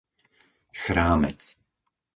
Chrámec